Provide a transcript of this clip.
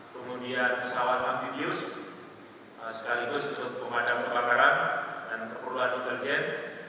kemudian pesawat amphibius sekaligus untuk pemadam kebar barang dan perperluan intelijen